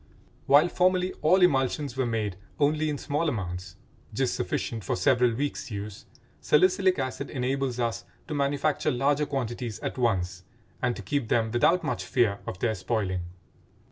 While formerly all emulsions were made only in small amounts, just sufficient for several weeks' use, salicylic acid enables us to manufacture larger quantities at once and to keep them without much fear of their spoiling.